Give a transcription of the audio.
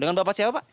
dengan bapak siapa pak